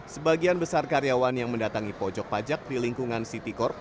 sebagian besar karyawan yang mendatangi pojok pajak di lingkungan ct corp